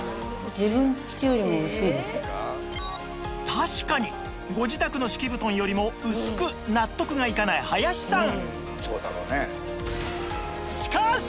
確かにご自宅の敷き布団よりも薄く納得がいかない林さん